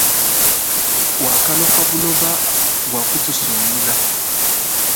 Wakalwa pabuloba bu kutusungila.